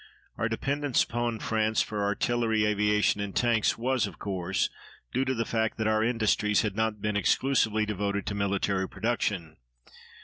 Our dependence upon France for artillery, aviation, and tanks was, of course, due to the fact that our industries had not been exclusively devoted to military production.